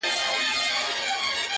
هغه غوټه په غاښو ورڅخه پرې کړه؛